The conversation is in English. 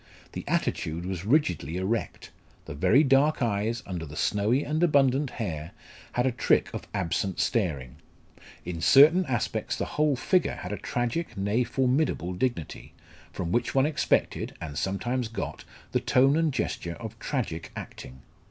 The attitude was rigidly erect; the very dark eyes, under the snowy and abundant hair, had a trick of absent staring; in certain aspects the whole figure had a tragic, nay, formidable dignity, from which one expected, and sometimes got, the tone and gesture of tragic acting.